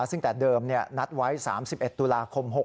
ซึ่งแต่เดิมนัดไว้๓๑ตุลาคม๖๖